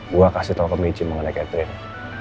gue kasih tau ke maje mengenai catherine